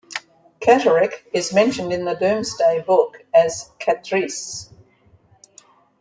Catterick is mentioned in the "Domesday Book" as "Catrice".